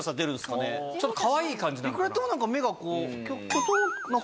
ちょっとかわいい感じなのかな？